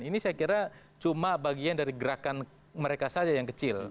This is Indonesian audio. ini saya kira cuma bagian dari gerakan mereka saja yang kecil